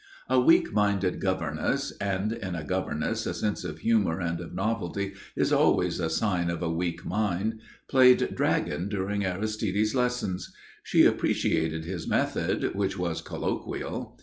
A weak minded governess and in a governess a sense of humour and of novelty is always a sign of a weak mind played dragon during Aristide's lessons. She appreciated his method, which was colloquial.